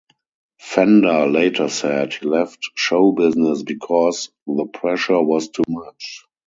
Fender later said he left show business because the pressure was too much.